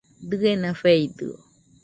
Dɨena feidɨo